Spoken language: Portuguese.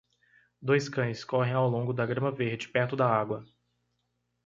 Dois cães correm ao longo da grama verde perto da água.